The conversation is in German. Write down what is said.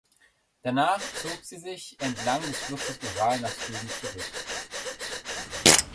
Danach zog sie sich entlang des Flusses Ural nach Süden zurück.